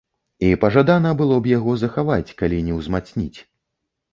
І пажадана было б яго захаваць, калі не ўзмацніць.